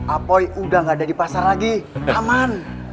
apoy udah gak ada di pasar lagi aman